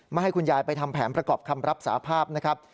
ให้คุณยายไปทำแผนประกอบคำรับสาภาพนะครับ